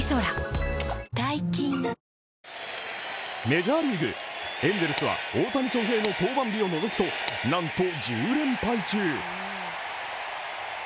メジャーリーグ、エンゼルスは大谷翔平の登板日を除くとなんと１０連敗中。